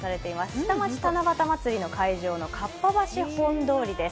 下町七夕祭りの会場のかっぱ橋本通りです。